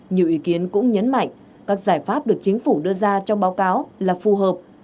nhiều ý kiến cũng nhấn mạnh các giải pháp được chính phủ đưa ra trong báo cáo là phù hợp